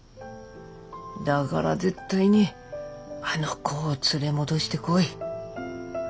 だがら絶対にあの子を連れ戻してこい。